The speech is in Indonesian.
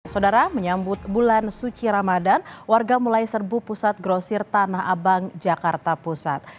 saudara menyambut bulan suci ramadan warga mulai serbu pusat grosir tanah abang jakarta pusat